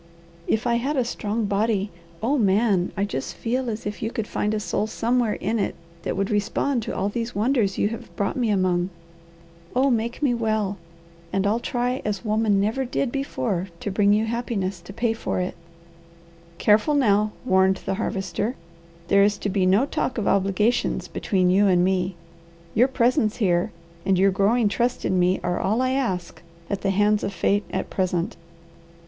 If I had a strong body, oh Man, I just feel as if you could find a soul somewhere in it that would respond to all these wonders you have brought me among. Oh! make me well, and I'll try as woman never did before to bring you happiness to pay for it." "Careful now," warned the Harvester. "There is to be no talk of obligations between you and me. Your presence here and your growing trust in me are all I ask at the hands of fate at present.